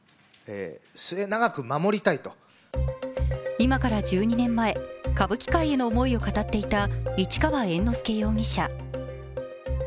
今から１２年前、歌舞伎界への思いを語っていた市川猿之助容疑者。